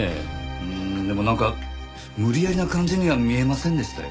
うーんでもなんか無理やりな感じには見えませんでしたよ。